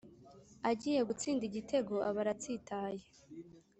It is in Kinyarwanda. agiye gutsinda igitego aba aratsitaye.